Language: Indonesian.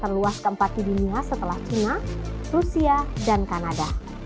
terluas keempat di dunia setelah china rusia dan kanada